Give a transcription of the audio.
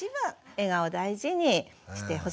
笑顔を大事にしてほしいな。